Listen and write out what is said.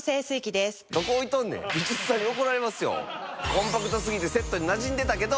コンパクト過ぎてセットになじんでたけど！